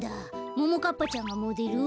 ももかっぱちゃんがモデル？